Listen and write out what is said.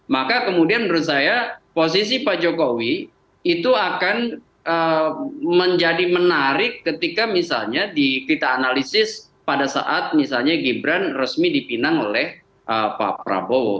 maka kemudian menurut saya posisi pak jokowi itu akan menjadi menarik ketika misalnya kita analisis pada saat misalnya gibran resmi dipinang oleh pak prabowo